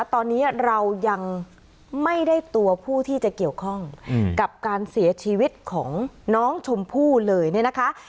ตอนนี้เรายังไม่ได้ตัวผู้ที่จะเกี่ยวข้องกับการเสียชีวิตของน้องชมพู่เลยเนี่ยนะคะ